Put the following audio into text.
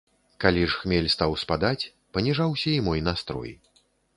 Калі ж хмель стаў спадаць, паніжаўся і мой настрой.